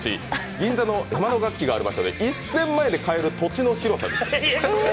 銀座の山野楽器がある場所で１０００万円で買える土地の広さです。